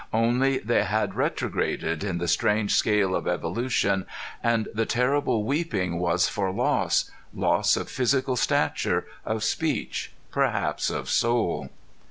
Only they had retrograded in the strange scale of evolution. And the terrible weeping was for loss loss of physical stature, of speech, perhaps of soul.